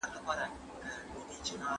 د نوې ټکنالوژۍ څخه په سم ډول ګټه واخلئ.